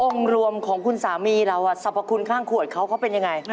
รวมของคุณสามีเราสรรพคุณข้างขวดเขาเขาเป็นยังไง